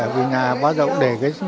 vì nhà quá rộng để cái gì